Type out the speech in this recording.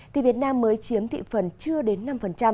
thì việt nam mới chiếm thị phần chưa đến năm